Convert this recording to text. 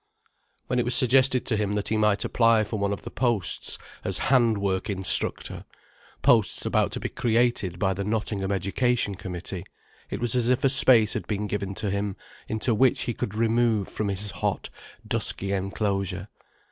When it was suggested to him that he might apply for one of the posts as hand work instructor, posts about to be created by the Nottingham Education Committee, it was as if a space had been given to him, into which he could remove from his hot, dusky enclosure.